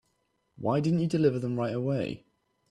Why didn't you deliver them right away?